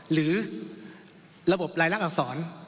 หรือระบบรายลักษณ์อังสอร์น